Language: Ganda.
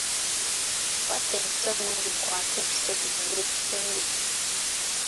Kwata empiso nange nkwate empiso tugende tutunge.